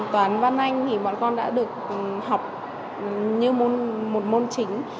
toán văn anh thì bọn con đã được học như môn một môn chính